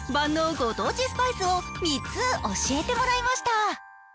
ご当地スパイスを３つ教えてもらいました。